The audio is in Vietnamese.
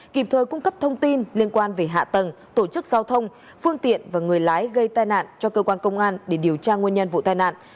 kịp thời cung cấp thông tin liên quan về hạ tầng tổ chức giao thông phương tiện và người lái gây tai nạn cho cơ quan công an để điều tra nguyên nhân vụ tai nạn